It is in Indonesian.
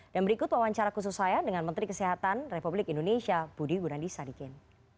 dan berikut wawancara khusus saya dengan menteri kesehatan republik indonesia budi gunadisadikin